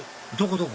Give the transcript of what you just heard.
どこ？